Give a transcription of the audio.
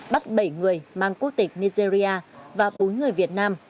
bắt bảy người mang quốc tịch nigeria và bốn người việt nam